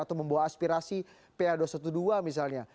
atau membawa aspirasi pa dua ratus dua belas misalnya